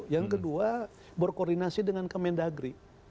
yang kedua berkoordinasi dengan kemendagri